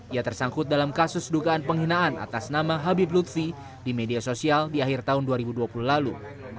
ia tersangkut dalam kasus dugaan penghinaan atas nama habib lutfi di media sosial di akhir tahun dua ribu dua puluh lalu